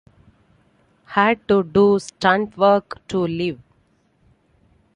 Had to do stuntwork to live.